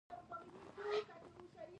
د پښتنو په سیمو کې ګودر د اوبو ځای دی.